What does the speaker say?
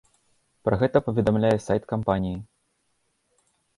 Пра гэта паведамляе сайт кампаніі.